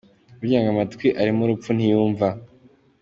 Burya ngo amatwi arimo urupfu ntiyumva.